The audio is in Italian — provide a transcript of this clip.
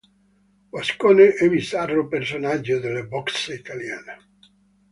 Guascone e bizzarro personaggio della boxe italiana.